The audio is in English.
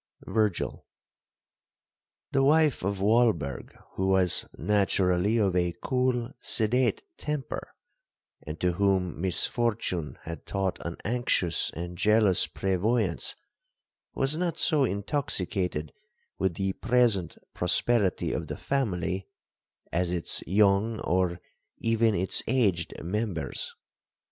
VIRGIL. 'The wife of Walberg, who was naturally of a cool sedate temper, and to whom misfortune had taught an anxious and jealous prevoyance, was not so intoxicated with the present prosperity of the family, as its young, or even its aged members.